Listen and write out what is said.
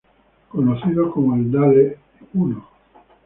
Conocido como el "Dale I".